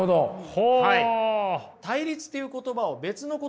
ほう。